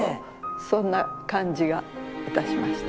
そんな感じがいたしました。